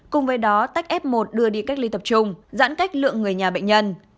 cùng với đó tách f một đưa đi cách ly tập trung giãn cách lượng người nhà bệnh nhân